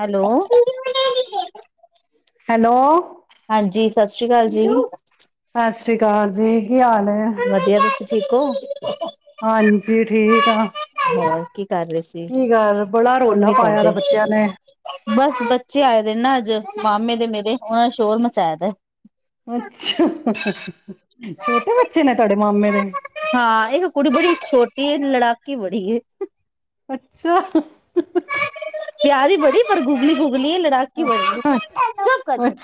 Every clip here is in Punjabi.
ਹੈਲੋ। ਹੈਲੋ। ਹਾਂਜੀ ਸਤਿ ਸ੍ਰੀ ਅਕਾਲ ਜੀ। ਸਤਿ ਸ਼੍ਰੀ ਅਕਾਲ ਜੀ। ਕੀ ਹਾਲ ਹੈ? ਵਧੀਆ ਤੁਸੀਂ ਠੀਕ ਓ? ਹਾਂਜੀ ਠੀਕ ਆ। ਹ ਕੀ ਕਰ ਰਹੇ ਸੀ ਕੀ ਗੱਲ ਬੜਾ ਹੁਣ ਰੌਲਾ ਵੀ ਪਾਇਆ ਦਾ ਕਰਦੇ। ਬੱਚਿਆਂ ਨੇ ਬਸ ਬੱਚੇ ਆਏ ਦੇ ਨਾ ਅੱਜ। ਮਾਮੇ ਦੇ ਮੇਰੇ ਉਹਨਾਂ ਦਾ ਸ਼ੋਰ ਮਚਾਇਆ ਦਾ ਐ। ਅੱਛਾ ਛੋਟੇ ਬੱਚੇ ਨੇ ਤੁਹਾਡੇ ਮਾਮੇ ਦੇ? ਇਹ ਲੜਾਕੀ ਬੜੀ ਐ। ਅੱਛਾ। ਪਿਆਰੀ ਬੜੀ ਗੁਗਲੀ ਗੁਗਲੀ ਲੜਾਕੀ ਬੜੀ, ਚੁੱਪ ਕਰ ਨੀ।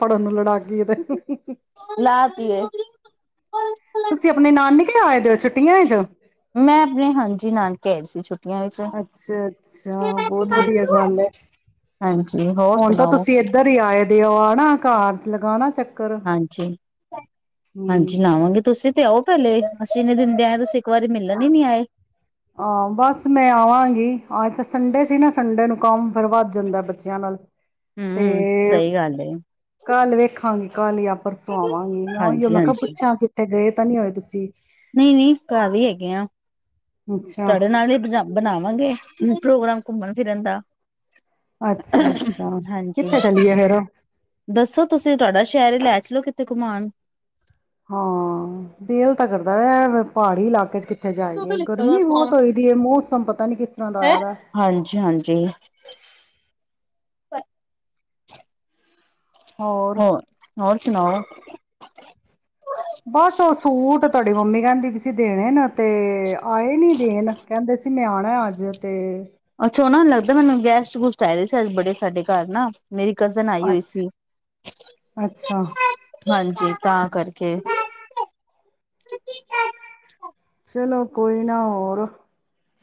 ਪੜ੍ਹਨ ਨੂੰ ਲੜਾ ਲਾਤੀ ਹੈ ਤੁਸੀਂ ਆਪਣੇ ਨਾਨੀ ਆਏ ਦੇ ਓ ਛੁੱਟੀਆਂ ਵਿੱਚ ਮੈਂ ਆਪਣੇ ਹਾਂਜੀ ਨਾਨਕੇ ਆਏ ਸੀ ਛੁੱ ਅੱਛਾ, ਅੱਛਾ। ਬਹੁਤ ਵਧੀਆ ਗੱਲ ਹਾਂਜੀ ਹੈ। ਹੋਰ ਹੁਣ ਤਾਂ ਸੁਣਾਓ ਤੁਸੀਂ ਇੱਧਰ ਹੀ ਆਏ ਦੇ ਓ ਹਨਾਂ। ਕਾਰ ਲਗਾਣਾ ਚੱਕ ਹਾਂਜੀ। ਹਾਂਜੀ, ਲਾਵਾਂਗੇ ਤੁਸੀਂ ਤੇ ਆਓ ਪਹਿਲੇ। ਅਸੀਂ ਇੰਨੇ ਦਿਨ ਦੇ ਆਏ ਤੁਸੀਂ ਇੱਕ ਵਾਰੀ ਮਿਲ ਨ ਨਹੀਂ ਆਏ। ਹਾਂ, ਬਸ ਮੈਂ ਆਵਾਂਗੀ। ਅਜ ਤਾਂ ਸੰਡੇ ਸੀ ਨਾ। ਸੰਡੇ ਨੂੰ ਕੰਮ ਫਿਰ ਵੱਧ ਜਾਂਦਾ ਐ ਬੱਚਿਆਂ ਨਾਲ। ਤੇ ਹੂੰ ਸਹੀ ਗੱਲ ਏ ਕੱਲ ਵੇਖਾਂਗੀ। ਕੱਲ ਈ ਆ ਪਰਸੋਂ ਆਵਾਂਗੀ। ਮੈਂ ਉਹੀ ਹਾਂਜੀ ਮੈਂ ਕਿਹਾ ਹਾਂਜੀ ਪੁੱਛਾਂ ਕਿੱਥੇ ਗਏ ਪਤਾ ਨਹੀਂ ਹੋਏ ਤੁਸੀਂ। ਨਹੀਂ, ਨਹੀਂ ਘਰ ਹੀ ਹੈਗੇ ਆ। ਅੱਛਾ ਤੁਹਾਡੇ ਨਾਲ ਹੀ ਬ ਬਣਾਵਾਂਗੇ। ਪ੍ਰੋਗਰਾਮ ਘੁੰਮਣ ਫਿਰਨ ਦਾ। ਅੱਛਾ ਅੱਛਾ ਹਾਂਜੀ, ਕਿੱਥੇ ਚਲੀਏ ਫੇਰ ਹਾਂ ਦੱਸੋ ਤੁਸੀਂ ਤੁਹਾਡਾ ਸ਼ਹਿਰ ਈ ਲੈ ਦੱਸਲੋ ਕਿਥੇ ਘੁਮਾਣ। ਹਾਂ, ਦਿਲ ਤਾਂ ਕਰਦਾ ਹੈ। ਪਹਾੜੀ ਇਲਾਕੇ ਚ ਕਿ ਇੱਥੇ ਜਾਈਏ। ਗਰਮੀ ਬਹੁਤ ਹੋਈ ਦੀ ਹੈ। ਮੌਸਮ ਪਤਾ ਨੀ ਕਿਸ ਤਰ੍ਹਾਂ ਦਾ ਆਇਆ ਵੈ। ਹਾਂਜੀ ਪਰ ਹੋਰ। ਹੋਰ ਸੁਣਾਓ। ਬਸ ਉਹ ਸੂਟ ਤੁਹਾਡੀ ਮੰਮੀ ਕਹਿੰਦੀ ਵੀ ਸੀ। ਦੇਣੇ ਨਾ [unintelligible] ਤੇ ਆਏ ਨੀ ਦੇਣ ਕਹਿੰਦੇ ਸੀ ਮੈਂ ਆ [unintelligible] ਅੱਜ ਤੇ। ਛੋ ਨਾ ਲੱਗਦਾ ਮੈਨੂੰ ਗੈਸਟ ਗੂਸਟ ਆਏਦੇ ਸੀ। ਅੱਜ ਬੜੇ ਸਾਡੇ ਘਰ ਨਾ। ਮੇਰੀ ਕਜ਼ਨ ਆਈ ਹੋਈ ਸੀ। ਅੱਛਾ ਅੱਛਾ ਹਾਂਜੀ। ਤਾਂ ਕਰਕੇ। ਚਲੋ, ਕੋਈ ਨਾ ਹੋਰ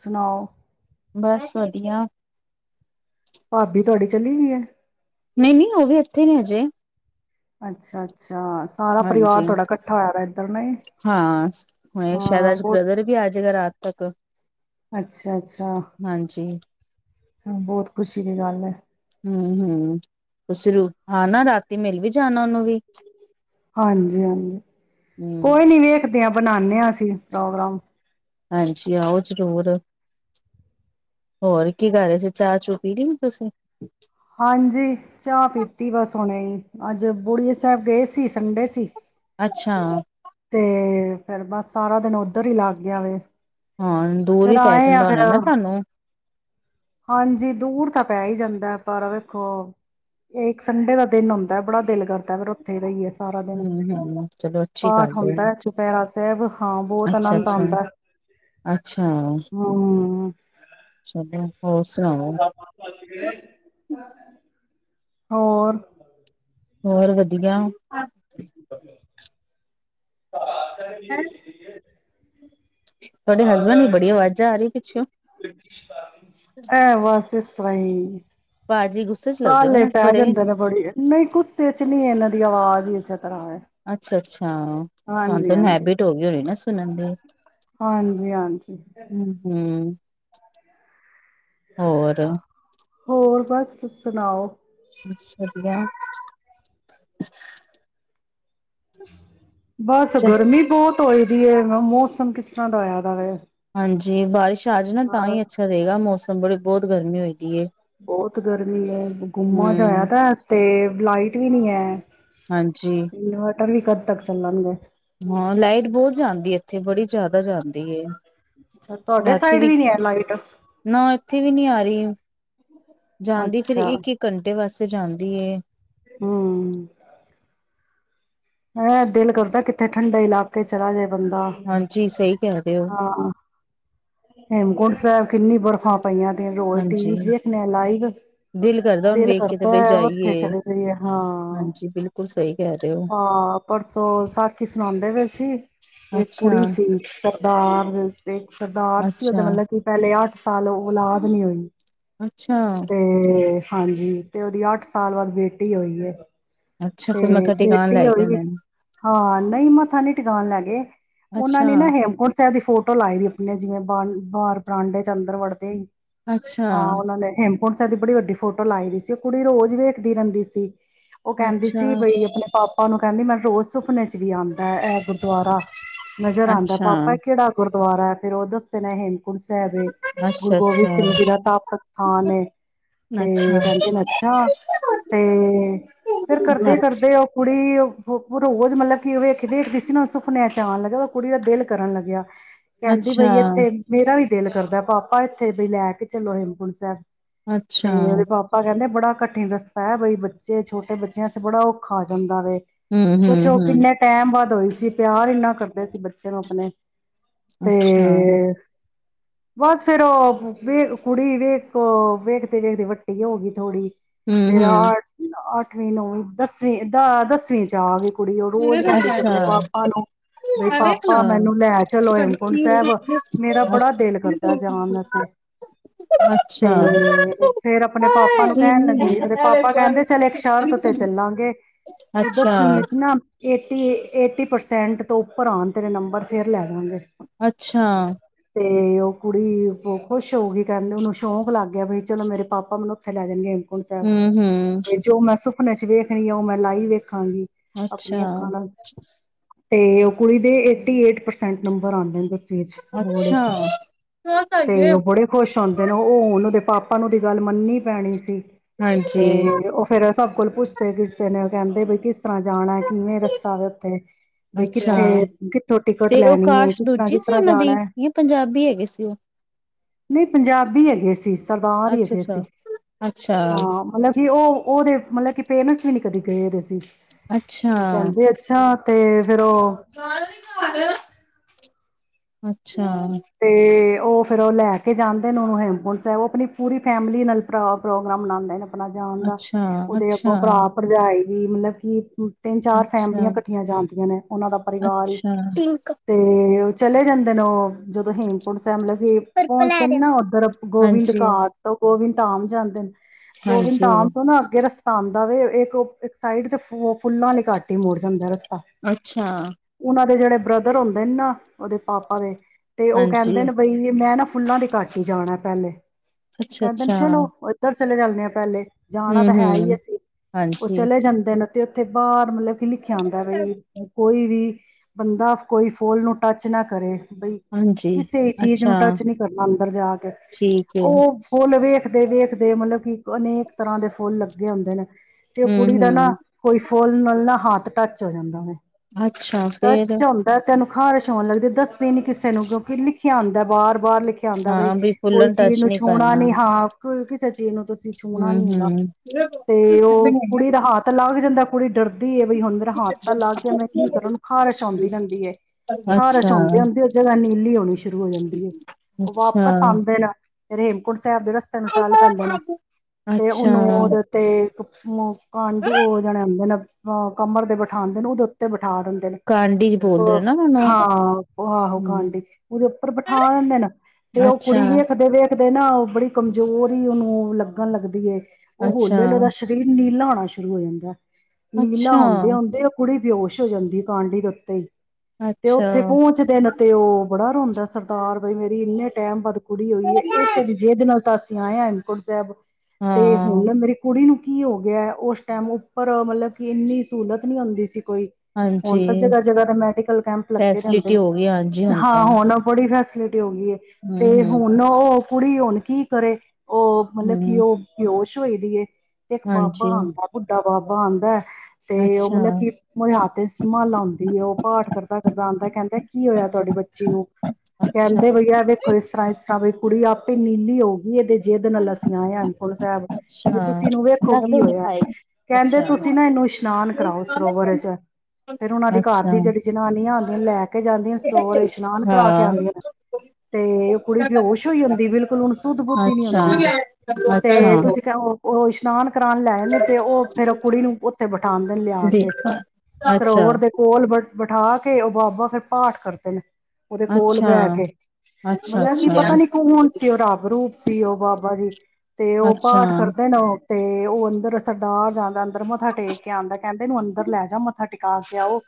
ਸੁਣਾਓ। ਬਸ ਵਧੀਆ। ਭਾਬੀ ਤੁਹਾਡੀ ਚਲੀ ਗਈ ਹੈ। ਨਹੀਂ, ਨਹੀਂ ਉਹ ਵੀ ਇੱਥੇ ਨੇ ਅਜੇ। ਅੱਛਾ, ਅੱਛਾ। ਸਾਰਾ ਪਰਿਵਾਰ ਹਾਂਜੀ। ਤੁਹਾਡਾ ਇਕੱਠਾ ਹੋਇਆ ਦਾ ਇੱਧਰ ਨੇ ਹਾਂ ਹੁ ਸ਼ਾਇਦ ਹਾਂ ਅੱਜ ਬਹੁਤ ਬ੍ਰਦਰ ਵੀ ਆਜੇਗਾ ਰਾਤ ਤੱਕ। ਅੱਛਾ, ਅੱਛਾ। ਹਾਂਜੀ ਬਹੁਤ ਖੁਸ਼ੀ ਦੀ ਗੱਲ ਹੈ। ਹਮ ਹਮ ਤੁਸੀਂ ਰੂ ਹਾਂ ਨਾ ਰਾਤੀ ਮਿਲ ਵੀ ਜਾਣਾ ਉਹਨੂੰ ਵੀ ਹਾਂਜੀ ਹਾਂਜੀ ਹੂੰ ਕੋਈ ਨੀ ਵੇਖ ਦੀਆਂ ਬਣਾਉਦੇ ਹਾਂ ਅਸੀਂ ਪ੍ਰੋਗਰਾਮ ਹਾਂਜੀ ਆਓ ਜ਼ਰੂਰ ਹੋਰ ਕੀ ਕਰ ਰਹੇ ਸੀ ਚਾਹ ਚੂ ਪੀ ਲਈ ਹੋ ਤੁਸੀਂ ਹਾਂਜੀ ਚਾਹ ਪੀਤੀ ਬਸ ਹੁਣੇ ਹੀ ਅੱਜ ਬੁੜੀਏ ਸਾਹਿਬ ਗਏ ਸੀ ਸੰਡੇ ਸੀ ਅੱਛਾ ਤੇ ਫੇਿਰ ਬਸ ਸਾਰਾ ਦਿਨ ਉੱਧਰ ਹੀ ਲੱਗ ਗਿਆ ਵ ਹਾਂ ਦੂਰ ਫਿਰ ਹੀ ਪੈ ਆਏ ਆ ਜਾਂਦਾ ਹੋਣਾ ਫੇਿਰ ਨਾ ਤੁਹਾਨੂੰ ਹਾਂਜੀ ਦੂਰ ਤੱਕ ਪੈ ਹੀ ਜਾਂਦਾ ਪਰ ਵੇਖੋ ਇਹ ਇੱਕ ਸੰਡੇ ਦਾ ਦਿਨ ਹੁੰਦਾ ਬੜਾ ਦਿਲ ਕਰਦਾ ਫਿਰ ਉੱਥੇ ਰਹੀਏਸੀਂ ਸਾਰਾ ਦਿਨ ਹੂੰ ਹੂੰ ਚਲੋ ਅੱਛੀ ਪਾਠ ਗੱਲ ਹੁੰਦਾ ਹੈ ਚੁਪਹਿਰਾ ਸਾਹਿਬ ਹਾਂ ਬਹੁਤ ਅੱਛਾ ਆਨੰਦ ਅੱਛਾ ਆਉਂਦਾ ਅੱਛਾ ਚ ਹਮ ਹੋਰ ਸੁਣਾਓ ਹੋਰ ਹੋਰ ਵਧੀਆ ਹਮ [unintelligible] ਹੂੰ, ਤੁਹਾਡੇ ਹਸਬੈਂਡ ਦੀ ਬੜੀ ਅਵਾਜ਼ਾਂ ਆ ਰਹੀ ਪਿੱਛੋਂ, ਸਹੀ, ਭਾਜੀ ਗੁੱਸੇ ਚ ਲੱਗਦੇ ਪਏ ਕਾਲੇ ਨੇ ਪੈ ਬੜੇ ਜਾਂਦੇ ਨੇ ਬੜੀ ਨਹੀਂ ਗੁੱਸੇ ਚ ਨੀ ਇਹਨਾਂ ਦੀ, ਆਵਾਜ਼ ਈ, ਅੱਛਾ-ਅੱਛਾ, ਹਾਂ ਤੁਹਾਨ ਹਾਂਜੀ ਤੁਹਾਨੂੰ ਹੈਬਿਟ ਹੋ ਗਈ ਹੋਣੀ ਨਾ, ਹੂੰ, ਹਾਂਜੀ-ਹਾਂਜੀ, ਹੂੰ ਹੋਰ, ਹੋਰ ਬਸ ਸੁਣਾਓ? ਬਸ ਵਧੀਆ, ਹੂੰ, ਬਸ ਗਰਮੀ ਬਹੁਤ ਧੋਏ ਦੀ ਹੈ ਮੌਸਮ ਕਿਸ ਤਰ੍ਹਾਂ ਦਾ ਹੋਇਆ ਦਾ ਵਾ ਹਾਂਜੀ ਬਾਰਿਸ਼, ਚ ਆਜੇ ਨਾ ਤਾਂ ਹੀ ਅੱਛਾ ਰਹੇਗਾ ਮੌਸਮ ਬੜੀ ਬਹੁਤ ਗਰਮੀ ਹੋਈ ਦੀ ਏ, ਬਹੁਤ ਗਰਮੀ ਹੈ ਗੁੰਮਾ ਜਾ ਹੋਇਆ ਹੂੰ ਪਿਆ ਤੇ। ਲਾਈਟ ਵੀ ਨਹੀਂ ਹੈ। ਹਾਂਜੀ, ਟਰ ਵੀ ਕਦ ਤੱਕ ਚੱਲਣਗੇ। ਹਾਂ ਲਾਈਟ ਬਹੁਤ ਜਾਂਦੀ ਇੱਥੇ ਬੜੀ ਜ਼ਿਆਦਾ ਜਾਂਦੀ ਐ। ਅੱਛਾ ਤੁਹਾਡੇ ਸਾਈਡ ਵੀ ਨੀ ਹੈ ਲਾਈਟ, ਨਾ ਇੱਥੇ [unintelligible] ਜਾਂਦੀ ਫਿਰ ਅੱਛਾ ਇੱਕ-ਇੱਕ ਘੰਟੇ ਬਸ, ਤੇ ਜਾਂਦੀ ਐ। ਹੂੰ, ਮ ਦਿਲ ਕਰਦਾ ਕਿੱਥੇ ਠੰਡੇ ਇਲਾਕੇ ਚਲਾ ਜਾਏ। ਬੰਦਾ ਹਾਂਜੀ ਸਹੀ ਕਹਿ ਰਹੇ ਹੋ? ਹਾਂ ਹੇਮਕੁੰਟ ਸਾਹਿਬ ਕਿੰਨੀ ਬਰਫ਼ਾ ਪਈਆਂ ਦੀਆਂ ਰੋਜ ਟੀ ਹਾਂਜੀ ਵੀ ਚ ਵੇਖਣੇ ਆ ਲਾਈਵ ਦਿਲ ਕਰਦਾ ਹੁਣ ਦਿਲ ਵੇਖ ਕੇ ਤੇ ਕਰਦਾ ਬਈ ਉੱਥੇ ਜਾਈਏ ਚਲੇ ਜਾਈਏ ਹਾਂ ਹਾਂਜੀ ਬਿਲਕੁਲ ਸਹੀ ਕਹਿ ਰਹੇ ਹੋ ਹਾਂ ਪਰਸੋਂ ਸਾਖੀ ਸੁਣਾਦੇ ਪਏ ਸੀ ਇਹ ਅੱਛਾ ਕੁੜੀ ਸੀ ਸਰਦਾਰ ਸਿੱਖ ਆ ਸੀ ਉਹਦੇ ਅੱਛਾ ਮਤਲਬ ਕਿ ਪਹਿਲੇ, ਅੱਠ ਸਾਲ ਔਲਾਦ ਨਹੀਂੀ ਹੋਈ ਅੱਛਾ ਤੇ ਹਾਂਜੀ ਤੇ ਉਹਦੀ ਅੱਠ ਸਾਲ ਬਾਅਦ ਬੇਟੀ ਹੋਈ ਅੱਛਾ ਫਿਰ ਤੇ ਮੱਥਾ ਟਿਕਾਣ ਬੇਟੀ ਲੈ ਗਿਆ ਹੋਈ ਮੈਨੂੰ ਹਾਂ ਨਹੀਂ ਮੱਥਾ ਨੀ ਟਿਕਾਉਣ ਲੱ ਗਏ ਉਹਨਾਂ ਅੱਛਾ ਨੇ ਨਾ ਹੇਮਕੁੰਟ ਸਾਹਿਬ ਫੋਟੋ ਲਾਈ ਦੀ ਆਪ ਆਪ ਜਿਵੇਂ ਬਾਂ ਬਾਰ ਪਰਾਂਡੇ 'ਚ ਅੰਦਰ ਵੜਦੇ ਅੱਛਾ ਹਾਂ ਉਹਨਾਂ ਨੇ ਹ ਹੁਣ ਸਾਦੀ ਬੜੀ ਵੱਡੀ ਫੋਟੋ ਲਾਈ ਦੀ ਸੀ ਉਹ ਕੁੜੀ ਰੋਜ਼ ਵੇਖਦੀ ਰਹਿੰਦੀ ਸੀ ਉਹ ਕਹਿੰਦੀ ਅੱਛਾ ਸੀ ਬਈ ਆਪਣੇ ਪਾਪਾ ਉਹਨੂੰ ਕਹਿੰਦੀ ਮੈਨੂੰ ਰੋਜ਼ ਸੁਫਨੇ ' ਵੀ ਆਉਂਦਾ ਹੈ ਗੁਰਦੁਆਰਾ ਨਜ਼ਰ ਆਂਦਾ ਅੱਛਾ ਪਾਪਾ ਕਿਹੜਾ ਗੁਰ ਦੁਬਾਰਾ ਫਿਰੋਧਸਤ ਨੇ ੜ ਸਾਹਿਬ ਅੱਛਾ ਗੁਰੂ ਅੱਛਾ ਗੋਬਿੰਦ ਸਿੰਘ ਜੀ ਦਾ ਤਾਪ ਸਥਾਨ ਤੇ ਕਹਿੰਦੇ ਨੇ ਅੱਛਾ ਤੇ ਫੇਰ ਕਰਦੇ ਕਰਦੇ ਉਹ ਕੁੜੀ ਉਹ ਰੋਜ਼ ਮਤਲਬ ਕਿ ਉਹ ਵੇਖ ਵਖਦੇ ਸੀ ਨਾ ਸੁਫਨੇ ਚਚ ਆਉਣ ਲੱਗਿਆ ਉਹ ਕੁੜੀ ਦਾ ਦਿਲ ਕਰਨ ਲੱਗਿਆ ਅੱਛਾ ਕਹਿੰਦੀ ਅੱਛਾ ਬਈ ਇੱਥੇ ਮੇਰਾ ਵੀ ਦਿਲ ਕਰਦਾ ਪਾਪਾ ਇੱਥੇ ਵੀ ਲੈ ਕੇ ਚਲੋ ਹੇਮਕੁੰਟ ਸਾਹਿਬ ਤੇ ਅੱਛਾ ਉਹਦੇ ਪਾਪਾ ਕਹਿੰਦੇ ਬੜਾ ਕਠਿਨ ਰਸਤਾ ਹੈ ਬਈ ਬੱਚੇ ਛੋਟੇ ਬੱਚਿਆਂ ਤੇ ਬੜਾ ਔਖਾ ਆ ਜਾਂਦਾ ਵ ਹਮ ਹਮ ਕੁੱਛ ਉਹ ਹਮ ਕਿੰਨੇ ਟਾਈਮ ਵਧ ਈ ਸੀ ਪਿਆਰ ਇੰਨਾ ਕਰਦੇ ਸੀ ਬੱਚੇ ਨੂੰ ਆਪਣੇ ਅੱਛਾ ਤੇ ਬਸ ਫੇਿਰ ਵੇਖ ਕੁੜੀ ਵੇਖ ਵੇਖਦੇ ਵੇਖਦੇ ਵੱਟੀ ਹੋ ਗਈ ਥੋੜ੍ਹੀ ਹਮ ਫੇਰ ਹਮ ਅੱਠਵੀਂ ਨੌਵੀਂ ਦਸਵੀਂ ਦਾ ਦਸਵੀਂ ਚ ਆ ਵੀ ਕੁੜੀ ਉਹ ਰੋਜ਼ ਅੱਛਾ ਕਹਿੰਦੀ ਸੀ ਆਪਣੇ ਪਾਪਾ ਨੂੰ ਬਈ ਪਾਪਾ ਮੈਨੂੰ ਅੱਛਾ ਲੈ ਚਲੋ ਕਡ ਸਾਹਿਬ ਮੇਰਾ ਬੜਾ ਦਿਲ ਕਰਦਾ ਜਾਾਨ ਅੱਛਾ ਅਸੇ ਅੱਛਾ। ਤੇ ਫੇਰ ਆਪਣੇ ਪਾਪਾ ਨੂੰ ਕਹਿਣ ਲੱਗੀ ਤਿੰਨ ਉਹਦੇ ਪਾਪਾ ਕਹਿੰਦੇ ਚਲੇ ਇੱਕਕ ਸ਼ਰਤ ਤੇ ਚੱਲਾਂਗੇ ਤੂੰ ਅੱਛਾ, ਦਸਵੀ ਚ ਨਾ ਏਟੀ ਏਟੀ ਪਰਸੈਂਟ ਤੋਂ ਉੱਪਰ ਆਉਣ ਤੇਰੇ ਨੰਬਰ ਫੇਰ ਲੈ ਦਵਾਂਗੇ ਅੱਛਾ ਅਤੇ ਉਹ ਕੁੜੀ ਖੁਸ਼ ਹੋ ਗਈ ਕਹਿੰਦੇ ਉਹਨੂੰ ਸ਼ੌਂਕ ਲੱਗ ਗਿਆ ਵੀ ਚਲੋ ਮੇਰੇ ਪਾਪਾ ਮਨ ਉੱਥੇ ਲੈ ਦੇਣਗੇ ਹਮ ਹਮ ਹੁਣੇ ਚ ਵੇਖਣੀ ਆ ਉਹ ਮੈਂ ਲਾਈ ਵੇਖ ਅੱਖਾਂਗੀ ਅੱਛਾ। ਆਪਣੀਆਂ ਅੱਖਾਂ ਨਾਲ ਤੇ ਉਹ ਕੁੜੀ ਦੇ ਏਟੀ ਏਟ ਪਰਸੈਂਟ ਨੰਬਰ ਆਉਂਦੇ ਨੇ ਦਸਵੀਂ ਅੱਛਾ, ਤੇ ਉਹ ਬੜੇ ਖੁਸ਼ ਹੁੰਦੇ ਨੇ, ਉਹ ਉਹਨੂੰ ਦੇ ਪਾਪਾ ਨੂੰ ਦੀ, ਗੱਲ ਮੰਨਣੀ ਪੈਣੀ ਸੀ। ਹਾਂਜੀ। ਤੇ ਉਹ ਫੇਰ ਸਭ ਕੋਲ ਪੁੱਛਦੇ ਕਿਛਦੇ ਨੇ, ਉਹ ਕਹਿੰਦੇ ਬਈ ਕਿਸ ਤਰ੍ਹਾਂ ਜਾਣਾ। ਕਿਵੇਂ ਰਸਤਾ ਵੇ ਉੱਥੇ, ਬਈ ਅੱਛਾ, ਕਿੱਥੇ- ਕਿੱਥੋਂ ਟਿਕਟ ਤੇ ਉਹ ਲੈਣੀ ਹੈ। ਕਾਸ਼ਟ ਦੂਜੀ ਕਿਸ ਸੀ ਤਰ੍ਹਾਂ ਉਹਨਾਂ ਦੀ, ਜਾਣਾ ਹੈ। ਜਾਂ ਪੰਜਾਬੀ ਹੈਗੇ ਸੀ ਉਹ। ਨਹੀਂ, ਪੰਜਾਬੀ ਹੈਗੇ ਸੀ। ਸਰਦਾਰ ਹੀ ਹੈਗੇ ਸੀ, ਅੱਛਾ-ਅੱਛਾ, ਅੱਛਾ, ਹਾਂ ਮਤਲਬ ਕਿ ਉਹ ਉਹਦੇ ਮਤਲਬ ਕਿ, ਪੇਰੈਂਟਸ ਵੀ ਨੀ ਕਦੇ ਗਏਦੇ ਸੀ। ਅੱਛਾ, ਉਹ ਕਹਿੰਦੇ ਅੱਛਾ। ਤੇ ਫਿਰ ਉਹ ਅੱਛਾ। ਹ। ਤੇ ਉਹ ਫਿਰ ਉਹ ਲੈ ਕੇ ਜਾਂਦੇ ਨੇ ਉਹਨੂੰ, ਹੇਮਪੁੰਟ ਸਾਹਿਬ ਉਹ ਆਪਣੀ ਪੂਰੀ ਫੈਮਿਲੀ ਨਾਲ ਪ੍ਰੋਗਰਾਮ ਮਨਾਉਂਦੇ ਨੇ। ਆਪਣਾ ਜਾਣ ਦਾ, ਅੱਛਾ, ਉਹਦੇ ਅੱਛਾ, ਅਗੋਂ ਭਰਾ ਭਰਜਾਏ ਵੀ ਮਤਲਬ ਕਿ ਤਿੰਨ ਚਾਰ ਅੱਛਾ, ਫੈਮਲੀਆਂ ਅੱਛਾ। ਇਕੱਠੀਆਂ ਜਾਂਦੀਆਂ ਨੇ, ਉਹਨਾਂ ਦਾ ਪਰਿਵਾਰ ਹੀ ਅੱਛਾ ਪਿੰਕ, ਤੇ ਚਲੇ ਜਾਂਦੇ ਨੇ ਉਹ ਜਦੋਂ ਹੇਮਕੁੰਟ ਸਾਹਿਬ ਲਗੇ ਪਰਪਲ ਆ ਪਹੁੰਚਦੇ ਨੇ ਰਿਹਾ। ਨਾ, ਉੱਧਰ ਗੋਵਿੰਦ ਹਾਂਜੀ, ਘਾਟ ਤੋਂ ਉਹ ਵਿ ਧਾਮ ਜਾਂਦੇ। ਗੋਬਿੰਦ ਹਾਂਜੀ, ਧਾਮ ਤੋਂ ਨਾ ਅੱਗੇ ਰਸ ਧਾਨਦਾ ਵਵੇ ਇੱਕ ਉਹ ਇੱਕ ਸਾਈਡ ਤੇ [inaudible] ਉਹ ਫੁੱਲਾਂ ਲਈ ਘਾਟ ਹੀ ਮੁੜ ਜਾਂਦਾ ਰਸਤਾ, ਅੱਛਾ, ਉਹਨਾਂ ਦੇ ਜਿਹੜੇ ਬ੍ਰਦਰ ਹੁੰਦੇ ਨੇ ਨਾ, ਉਹਦੇ ਪਾਪਾ ਦੇ। ਤੇ ਉਹ ਹਾਂਜੀ, ਕਹਿੰਦੇ ਨੇ, ਬਈ ਮੈਂ ਨਾ ਫੁੱਲਾਂ ਦੇ ਕੱਟ ਹੀ ਜਾਣਾ ਪਹਿਲੇ ਕਹਿੰਦੇ ਨੇ ਅੱਛਾ-ਅੱਛਾ, ਚਲੋ ਉੱਧਰ ਚਲੇ ਜਾਂਦੇ ਹਾਂ ਪਹਿਲੇ ਜਾਣਾ ਤਾਂ ਹੈ ਹੂੰ-ਹੂੰ। ਹੀ ਅਸੀਂ, ਉਹ ਹਾਂਜੀ, ਚਲੇ ਜਾਂਦੇ ਨੇ। ਅਤੇ ਉੱਥੇ ਬਾਹਰ ਮਤਲਬ ਫ ਲਿਖਿਆ ਜਾਂਦਾ ਭਈ ਕੋਈ ਵੀ ਬੰਦਾ ਕੋਈ ਫੋਨ ਨੂੰ ਟੱਚ ਨਾ ਕਰੇ, ਬਈ ਹਾਂਜੀ ਕਿਸੇ ਚੀਜ਼ ਨੂੰ ਅੱਛਾ ਟੱਚ ਨਹੀਂ ਕਰਨਾ ਅੰਦਰ ਜਾ ਕੇ, ਠੀਕ ਏ। ਉਹ ਫੁੱਲ ਵੇਖ ਦੇਖਦੇ ਦੇਖਦੇ ਮਤਲਬ ਕਿ ਅਨੇਕ ਤਰ੍ਹਾਂ ਦੇ ਫੁੱਲ ਲੱਗੇ ਹੁੰਦੇ ਨੇ। ਤੇ ਉਹ ਕੁੜੀ ਦਾ ਨਾ ਹੂੰ-ਹੂੰ ਕੋਈ ਫੁਲ ਨਾਲ ਨਾ ਹੱਥ ਟੱਚ ਹੋ ਜਾਂਦਾ ਵੇੇ ਅੱਛਾ ਫੇਰ ਅੱਛਾ ਹੁੰਦਾ ਤੈਨੂੰ ਬੁਖਾਰ ਛਾਉਣ ਲੱਗਦੇ ਦੱਸਦੇ ਨੀ ਕਿਸੇ ਨੂੰ ਇਹ ਲਿਖਿਆ ਆਂਦਾ ਬਾਰ- ਬਾਰ ਲਿ ਲਿਖਿਆ ਆਂਦਾ ਬਈ ਹਾਂ ਵੀ ਕੋਈ ਫੁੱਲਣ ਟੱਚ ਚੀਜ਼ ਨੀ ਛੂਣਾ ਕਰਨਾ। ਨੀ ਹਾਂ। [unintelligible] ਕਿਸੇ ਚੀਜ਼ ਨੂੰ ਤੁਸੀਂ ਛੂਹਣਾ ਨੀ ਹੈਗਾ, ਹੂੰ-ਹੂੰ। ਤੇ ਉਹ ਕੁੜੀ ਦਾ ਹੱਥ ਲੱਗ ਜਾਂਦਾ। ਕੁੜੀ ਡਰ ਦੀ ਬਈ ਹੁਣ ਮੇਰਾ ਹੱਥ ਤਾਂ ਲੱਗ ਗਿਆ ਮੈਂ ਕੀ ਕਰਾਂ ਨਾ ਉਹਨੂੰ ਖਾਰਸ਼ ਆਉਂਦੀ ਰਹਿੰਦੀ ਖਾਰਸ਼ ਅੱਛਾ-ਅੱਛਾ। ਆਉਂਦੀ ਹੁੰਦੀ ਉਹ ਜਗ੍ਹਾ ਨੀਲੀ ਹੋ ਸ਼ੁਰੂ ਹੋ ਜਾਂਦੀ ਹੈ ਉਹ ਵਾਪਸ ਆਂਦੇ ਨੇ ਰੇਮਕੁੰਟ ਸਾਹਿਬ ਦੇ ਰਸਤੇ ਨੂੰ ਚੱਲ ਪੈਂਦੇ ਨੇ ਤੇ ਅੱਛਾ ਉਹਨੂੰ ਅੱਛਾ, ਉਹਦੇ ਤੇ ਇੱਕ ਕਾਂਡੂ ਉਹ ਜਾਣੇ ਆਂਦੇ ਨੇ ਕਮਰ ਤੇ ਬਿਠਾਂਦੇ ਨੇ ਉਹਦੇ ਉੱਤੇ ਬ ਬਿਠਾ ਦਿੰਦੇ ਨੇ ਕਾਂਡੀ ਚ ਬੋਲਦੇ ਨਾ ਉਹਨੂੰ ਹਾਂ ਉਹ ਆਹੋ ਕਣ ਡ ਹੂੰ। ਉੱਪਰ ਬਿਠਾ ਲਿੰਦੇ ਨੇ ਤੇ ਉਹ ਕੁੜੀ ਹੇਕ ਦੇਵੇ। ਦੇਖਦੇ ਨਾ ਉਹ ਬੜੀ ਕਮਜ਼ੋਰ ਹੀ ਉਹਨੂੰ ਲੱਗਣ ਲੱਗਦੀ ਏ। ਉਹ ਹੋਲੇ ਹਲੇ ਉਹਨਾਂ ਦਾ ਅੱਛਾ-ਅੱਛਾ-ਅੱਛਾ-ਅੱਛਾ। ਸਰੀਰ ਨੀਲਾ ਘਾ ਸ਼ੁਰੂ ਹੋ ਜਾਂਦਾ। ਨੀਲਾ ਹੁੰਦੇ-ਹੁੰਦੇ ਉਹ ਕੁੜੀ ਬੇਹਸ਼ ਹੋ ਜਾਂਦੀ ਕਾਂਢੀ ਦੇ ਉੱਤੇ ਹੀ ਤੇ ਉੱਥੇ ਪਹੁੰਚਦੇ ਨੇ, ਤੇ ਔ ਬੜਾ ਰੋਂਦਾ ਸਰਦਾਰ ਬਈ ਮੇਰੀ ਇੰਨੇ ਟਾਈਮ ਬਾਦ ਕੁੜੀ ਹੋਈ ਹੈ, ਇਸੇ ਦੀ ਜਿੱਦ ਨਾਲ ਅਸੀਂ ਆਏ ਆਂ, ਹੇਮਂਕੁਟ ਸਾਹਿਬ। ਤੇ ਹੁਣ ਹਾਂ ਨਾ, ਮੇਰੀ ਕੁੜੀ ਨੂੰ ਕੀ ਹੋ ਗਿਆ ਹੈ, ਉਸ ਟਾਈਮ, ਉੱਪਰ ਮਤਲਬ ਕਿ ਇੰਨੀ ਸਹੂਲਤ ਨੀ ਹੁੰਦੀ ਸੀ। ਕੋਈ, ਹੁਣ ਹਾਂਜੀ ਤਾਂ ਜਗ੍ਹਾ ਜਗ੍ਹਾ ਤੇ ਮੈਡੀਕਲ ਕੈਂਪ ਲੱਗੇ ਜਾਂਦੇ ਫੈਸਿਲਿਟੀ ਨੇ। ਹੋ ਗਈ ਹਾਂਜੀ ਹਾਂ ਤਾਂ। ਹੁਣ, ਔ ਬਟ ਬਈ ਫੈਸਲੇ ਹੋ ਗਈ ਐ, ਤੇ ਹੂੰ-ਹੂੰ, ਹੁਣ ਉਹ ਕੁੜੀ ਹੁਣ ਕੀ ਕਰੇ ਔ ਮਤਲਬ ਹੂੰ, ਕਿ ਔ, ਬੇਹੋਸ਼ ਸੋਈ ਦੀ ਏ। ਤੇ ਇੱਕ ਬਾਬਾ ਹਾਂਜੀ, ਆਉਂਦਾ ਬੁੱਢਾ ਬਾਬਾ ਆਂਦਾ ਐ ਤੇ ਔ, ਅੱਛਾ, ਮਲਬ ਕਿ ਔਦੇ ਹਥ ਚ ਮਾਲਾ ਹੁੰਦੀ ਏ। ਔ ਪਾਠ ਕਰਦਾ-ਕਰਦਾ ਆਂਦਾ, ਕੈਂਦਾ, ਕੀ ਹੋਇਆ? [inaudible] [inaudible] ਤਡੀ ਬੱਚੀ ਨੂੰ ਅੱਛਾ। ਅੱਛਾ, ਕਹਿੰਦੇ ਵਈ ਆ, ਵੇਖੋ ਇਸ। ਰਾ ਸਾਵੀ ਕੁੜੀ, ਆਪੇ ਨੀਲੀ ਹੋ ਵੀ ਇੱਕ ਜਿੱਦ ਅ ਅੱਛਾ। ਅੱਛਾ, ਹਾਂ, ਲੈ ਕੇ ਅੱਛਾ, ਅੱਛਾ। ਦੇ ਅੱਛਾ, ਅੱਛਾ, ਜਾ। ਸਰੋਵਰ ਵਿੱਚ ਇਸ਼ਨਾਨ ਕਰਾ ਕੇ ਆਂਦੀਆਂ ਨੇ। ਤੇ ਕੁੜੀ ਬੇਹੋਸ਼ ਹੋਈ ਹੁੰਦੀ, ਬਿਲਕੁਲ ਓਹੁਨੂੰ ਸੁੱਧ-ਬੁੱਧ ਈ ਨੀ ਹੁੰਦੀ। [unintelligible] ਔ [inaudible] ਕਰਾਣ ਲੈ ਆਏ ਨੇ ਤੇ ਔ ਫੇਰ ਉਹ ਕੁੜੀ ਨੂ ਬਠਾ ਕੇ, ਔ ਬਾਬਾ, ਫੇਰ ਪਾਠ ਕਰਦਾ। [inaudible] [inaudible] ਉਦੇ ਕੋਲ ਬਹਿ ਕੇ, ਅੱਛਾ, ਅੱਛਾ, ਮਲ ਜੀ,, ਔ ਬਾਬਾ ਜੀ। ਤੇ ਔ ਅੱਛਾ। ਪਾਠ ਕਰਦੇ ਨੇ, ਔ ਅਤੇ ਔ ਅੰਦਰ ਸਰਦਾਰ, ਜਿਆਦਾ ਨੇ। ਅੰਦਰ ਮੱਥਾ ਟੇਕ ਕੇ ਆਂਦਾ। ਕਹਿੰਦੇ, ਏਨੂੰ ਅੰਦਰ ਲੈ ਜਾ, ਮਥਾ ਟੇਕ ਪਾਸ ਆਉ।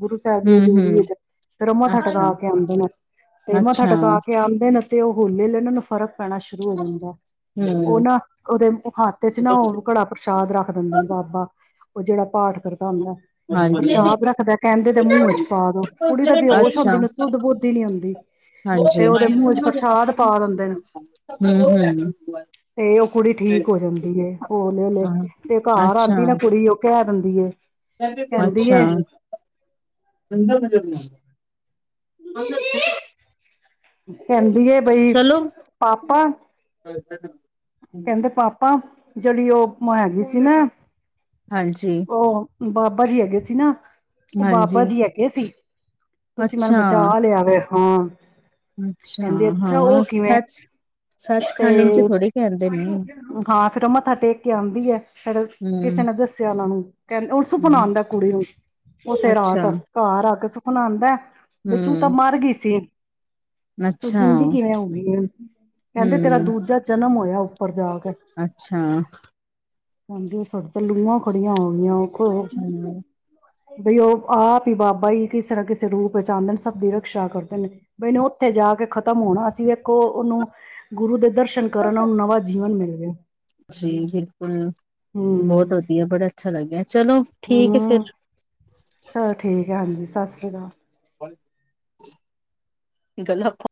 ਗੁਰੂ ਸਾਹਿਬ ਦੀ ਹੂੰ-ਹੂੰ, ਹਜੂਰੀ ਚ ਫਿਰ ਔ ਮੱਥਾ ਅੱਛਾ, ਟਕਾ ਕੇ ਆਂਦੇ ਨੇ ਤੇ ਮੱਥਾ ਅੱਛਾ, ਟਕਾ ਕੇ ਆਂਦੇ ਨੇ ਅਤੇ ਉਹ ਹੋਲੇ ਲਈ ਇਹਨਾਂ ਨੂੰ ਫ਼ਰਕ ਪੈਣਾ ਸ਼ੁਰੂ ਹੋ ਜਾਂਦਾ ਉਹ ਹੂੰ। ਨਾ ਉਹਦੇ ਹਾਥ ਚ ਨਾ ਉਹ ਕੜਾਹ ਪ੍ਰਸ਼ਾਦ ਰੱਖ ਦਿੰਦੇ ਨੇ ਬਾਬਾ ਉਹ ਜਿਹੜਾ ਪਾਠ ਦਾ ਹੁੰਦਾ ਹਾਂਜੀ, ਪ੍ਰਸ਼ਾਦ ਰੱਖਦਾ ਕਹਿੰਦੇ ਤੇ ਮੂੰਹ ਚ ਪਾ ਦੋ ਕੁੜੀ ਤਾਂ ਬੇਹੋਸ਼ ਅੱਛਾ, ਹੁੰਦੀ ਸੁਧ ਬੁੱਧ ਨੀ ਹੁੰਦੀ ਤੇ ਹਾਂਜੀ। ਉਹਦੇ ਮੂੰਹ ਚ ਪ੍ਰਸ਼ਾਦ ਪਾ ਦਿੰਦੇ ਨੇ ਹੂੰ-ਹੂੰ। ਤੇ ਉਹ ਕੁੜੀ ਠੀਕ ਹੋ ਜਾਂਦੀ ਹੈ, ਹੌਲੇ- ਹੌਲੇ ਤੇ ਹਾਂ ਘਰ ਅੱਛਾ ਆਂਦੀ ਨਾ ਕੁੜੀ ਉਹ ਕਹਿ ਦਿੰਦੇ ਦੀਏ ਅੱਛਾ, ਦੀਦੀ ਕਹਿੰਦੀ ਐ ਬਈ ਚਲੋ ਪਾਪਾ [inaudible] ਕਹਿੰਦੇ ਪਾਪਾ ਜਿਹੜੀ ਉਹ ਮੈਂ ਹੈਗੀ ਸੀ ਨਾ ਹਾਂਜੀ ਉਹ ਬਾਬਾ ਜੀ ਹੈਗੇ ਸੀ ਨਾ ਔ ਹਾਂਜੀ ਬਾਬਾ ਜੀ ਹੈਗੇ ਸੀ, ਤੁਸੀਂ ਮੈਨੂੰ ਅੱਛਾ ਬਚਾ ਲਿਆ ਵੈ, ਹਾਂ। ਅੱਛਾ, ਕਹਿੰਦੇ ਅੱਛਾ ਹਾਂ ਉਹ ਕਿਵੇਂ ਸੱਚ ਸੱਚ ਖੰਡ, ਇੰਜ ਤੇ ਥੋੜੇ ਕਹਿਦੇ। ਹਾਂ ਫੇਰ ਉਹ ਮੱਥਾ ਟੇਕ ਕੇ ਆਉਂਦੀ ਹੈ, ਫੇਰ ਕਿਸੇ ਹੂੰ ਨੇ ਦੱਸਿਆ ਔਨਾਨੂੰ। ਕਹਿੰਦੇ ਉਹ ਸੁਪਨਾ ਹੂੰ ਆਉਂਦਾ ਕੁੜੀ ਨੂੰ, ਉਸੇ ਰਾਤ ਅੱਛਾ ਘਰ ਆ ਕੇ ਸੁ ਬਣਾਉਂਦਾ ਬਈ ਤੂੰ ਤਾਂ ਹੂੰ ਮਰ ਗਈ ਸੀ। ਤੂੰ ਅੱਛਾ ਜਿੰਦੀ ਕਿਵੇਂ ਹੋ ਗਈ ਹੈ, ਕਹਿੰਦੇ ਤੇਰਾ ਹੂੰ ਦੂਜਾ ਜਨਮ ਹੋਯਾ। ਉੱਪਰ ਜਾ ਕੇ ਅੱਛਾ ਹਾਂਜੀ ਸਾਡੇ ਤੇ ਲੂਆਂ ਖੜੀਆਂ ਹੋ ਗਈਆਂ ਔ। ਖੋਜ ਹੂੰ ਬਈ ਉਹ ਆਪ ਹੀ ਬਾਬਾ ਹੀ ਕਿਸੇ ਨਾ ਕਿਸੇ ਰੂਪ ਵਿੱਚ ਆਉਂਦੇ ਨੇ, ਸਭ ਦੀ ਰਕਸ਼ਾ ਕਰਦੇ ਨੇ, ਬਈ ਏਨੇ ਔਥੇ ਜਾ ਕੇ ਖ਼ਤਮ ਹੋਣਾ ਸੀਂ, ਵੇਖੋ ਉਹਨੂੰ ਗੁਰੂ ਦੇ ਦਰ ਦਰਸ਼ਨ ਕਰਨ ਨਾਲ ਔਨੂੰ ਨਵਾ ਜ ਮਿਲ ਗਿਆ ਜੀ ਬਿਲਕੁਲ ਬਹੁਤ ਹਮ ਵਧੀਆ, ਬੜਾ ਅੱਛਾ ਲੱਗਿਆ, ਚਲੋ ਠੀਕ ਹੈ ਫਿਰ। ਹਮ ਚਲੋ ਠੀਕ ਹੈ ਹਾਂਜੀ ਸਤਿ ਸ਼੍ਰੀ ਅਕਾਲ ਗੱਲ ਆਪਾਂ